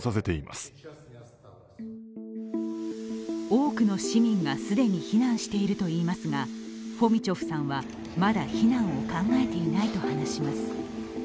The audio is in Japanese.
多くの市民が既に避難しているといいますがフォミチョフさんはまだ避難を考えていないと話します。